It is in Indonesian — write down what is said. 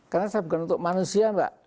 karena saya bukan untuk manusia pak